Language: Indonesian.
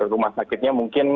rumah sakitnya mungkin